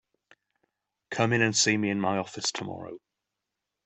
Come in and see me in my office tomorrow.